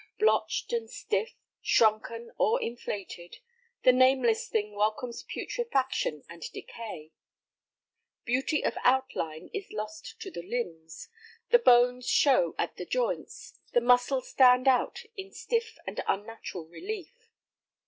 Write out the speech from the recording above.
Blotched and stiff, shrunken or inflated, the nameless thing welcomes putrefaction and decay. Beauty of outline is lost to the limbs, the bones show at the joints, the muscles stand out in stiff and unnatural relief.